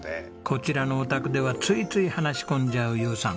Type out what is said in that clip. こちらのお宅ではついつい話し込んじゃう友さん。